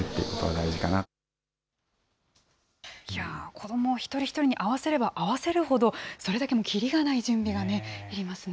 子ども一人一人に合わせれば合わせるほど、それだけきりがない準備がありますね。